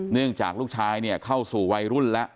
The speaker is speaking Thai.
เนื่องจากลูกชายเนี่ยเข้าสู่วัยรุ่นแล้ว